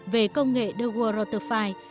về công nghệ de waal rotterfie